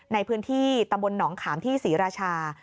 ในพื้นที่ตำบลหนองขามที่ศรีราชา